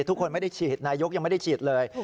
ทุกคนไม่ได้ฉีดนายกยังไม่ได้ฉีดเลย